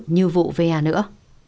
như vụ va nữa